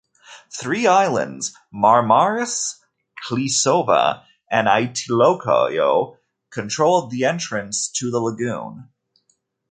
Three islands, Marmaris, Klisova and Aitoliko controlled the entrance to the lagoon.